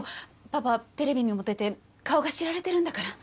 パパはテレビにも出て顔が知られてるんだから。